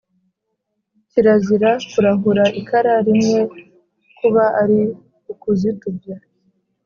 kirazira kurahura ikara rimwe kuba ari ukuzitubya